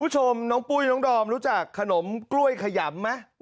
คุณผู้ชมน้องปุ้ยน้องดอมรู้จักขนมกล้วยขยำไหม